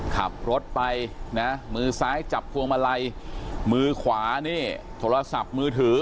ขับรถไปนะมือซ้ายจับพวงมาลัยมือขวานี่โทรศัพท์มือถือ